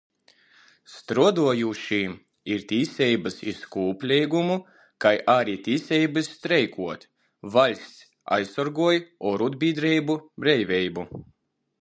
Struodojūšim ir tīseibys iz kūpleigumu, kai ari tīseibys streikuot. Vaļsts aizsorgoj orūdbīdreibu breiveibu.